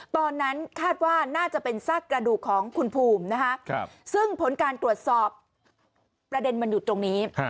ตอนนั้นคาดว่าน่าจะเป็นซากกระดูกของคุณภูมินะคะซึ่งผลการตรวจสอบประเด็นมันอยู่ตรงนี้